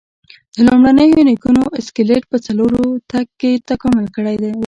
د لومړنیو نیکونو اسکلیټ په څلورو تګ کې تکامل کړی و.